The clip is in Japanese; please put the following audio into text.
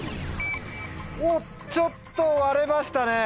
おっちょっと割れましたね。